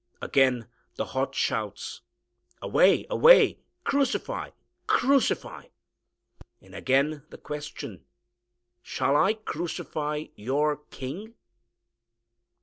_" Again the hot shouts, "Away Away Crucify Crucify." And again the question. "Shall I crucify your King?"